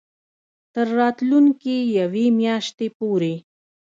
تر راتلونکې یوې میاشتې پورې